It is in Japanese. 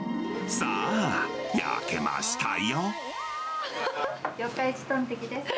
さあ、焼けましたよ。